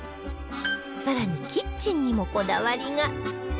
更にキッチンにもこだわりが